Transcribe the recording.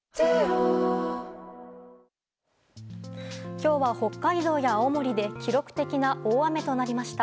今日は北海道や青森で記録的な大雨となりました。